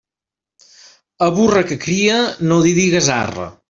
A burra que crie no li digues arre.